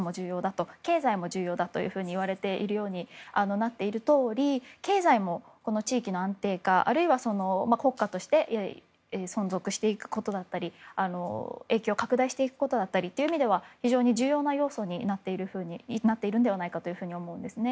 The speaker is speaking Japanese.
そして経済も重要だといわれているようになっているとおり経済も地域の安定化あるいは、国家として存続していくことだったり影響を拡大していくことだったりということでは非常に重要な要素になっていると思うんですね。